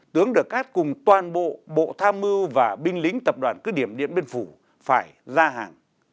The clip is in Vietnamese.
tướng đờ cát cùng toàn bộ bộ tham mưu và binh lính tập đoàn cứ điểm điện biên phủ phải ra hàng